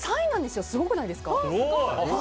すごくないですか？